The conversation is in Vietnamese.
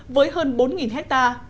với hơn bốn ha